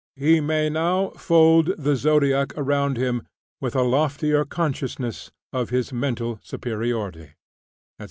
He may now fold the Zodiac around him with a loftier consciousness of his mental superiority," etc.